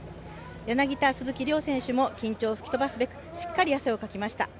柳田、鈴木、両選手も緊張を吹き飛ばすべくしっかり汗をかきました。